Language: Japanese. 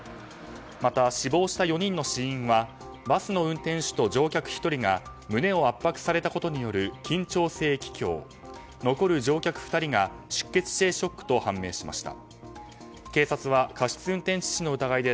また、死亡した４人の死因はバスの運転手と乗客１人が胸を圧迫されたことによる緊張性気胸残る乗客２人が出血性ショックと判明しました。